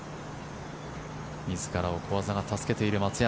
自らを小技が助けている松山。